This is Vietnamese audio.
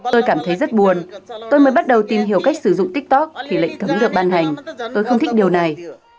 tôi cảm thấy rất buồn tôi mới bắt đầu tìm hiểu cách sử dụng tiktok thì lệnh cấm được ban hành tôi không thích điều này